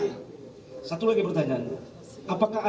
satu lagi pertanyaan